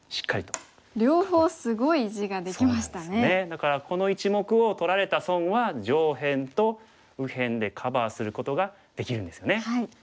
だからこの１目を取られた損は上辺と右辺でカバーすることができるんですよね。